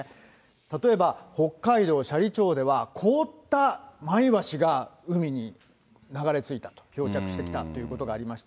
例えば北海道斜里町では、凍ったマイワシが海に流れ着いた、漂着してきたということがありました。